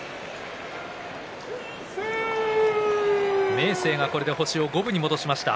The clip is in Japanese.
明生が星を五分に戻しました。